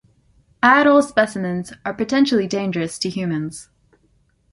Adult specimens are potentially dangerous to humans.